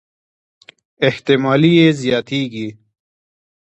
احتمالي یې زياتېږي.